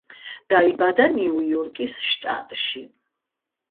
დაიბადა ნიუ-იორკის შტატში.